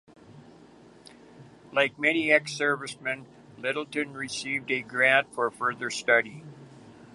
Like many ex-servicemen, Lyttelton received a grant for further study.